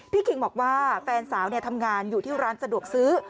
คิงบอกว่าแฟนสาวทำงานอยู่ที่ร้านสะดวกซื้อ